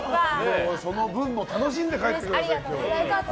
その分も楽しんで帰ってください。